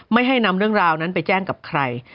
ไม่ให้นำเรื่องราวนั้นไปแจ้งกับใคร